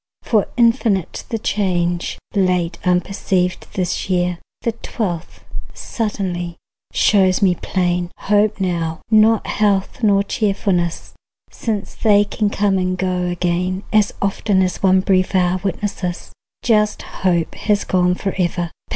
For infinite The change, late unperceived, this year, The twelfth, suddenly, shows me plain. Hope now, not health nor cheerfulness, Since they can come and go again, As often one brief hour witnesses, Just hope has gone forever.